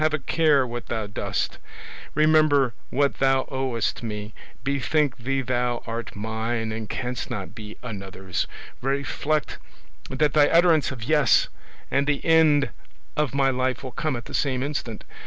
have a care what thou dost; remember what thou owest me; bethink thee thou art mine and canst not be another's; reflect that thy utterance of "Yes" and the end of my life will come at the same instant.